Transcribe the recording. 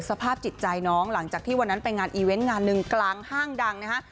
สภาพจิตใจน้องหลังจากที่วันนั้นไปงานอีเวนต์งานหนึ่งกลางห้างดังนะฮะ